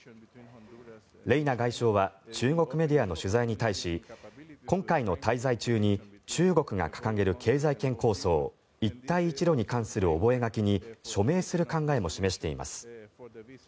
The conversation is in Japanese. レイナ外相は中国メディアの取材に対し今回の滞在中に中国が掲げる経済圏構想一帯一路に関する覚書に署名する考えも示しています。